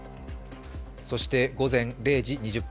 そして午前０時２０分。